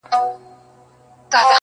هر یوه چي مي په مخ کي پورته سر کړ!!